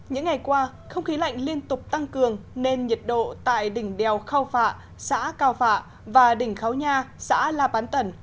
những ngày qua không khí lạnh liên tục tăng cường nên nhiệt độ tại đỉnh đèo cao phạ xã cao phạ và đỉnh kháu nha xã la bán tần